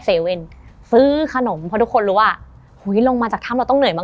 เว่นซื้อขนมเพราะทุกคนรู้ว่าหุ้ยลงมาจากถ้ำเราต้องเหนื่อยมาก